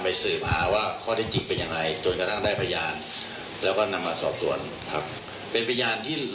เพราะว่าจริงอ่ะข็ดดีดังอย่างเนี่ย